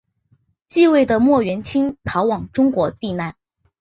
继位的莫元清逃往中国避难。